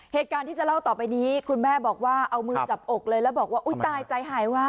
เหตุการณ์ที่จะเล่าต่อไปนี้คุณแม่บอกว่าเอามือจับอกเลยแล้วบอกว่าอุ๊ยตายใจหายวะ